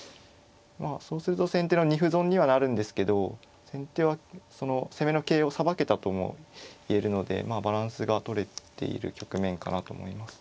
まあそうすると先手の２歩損にはなるんですけど先手はその攻めの桂をさばけたとも言えるのでバランスがとれている局面かなと思います。